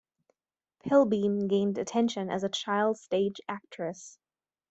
Pilbeam gained attention as a child stage actress.